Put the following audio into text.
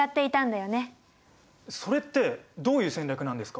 それってどういう戦略なんですか？